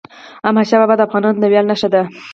احمدشاه بابا د افغانانو د ویاړ نښه ده.